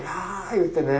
言うてね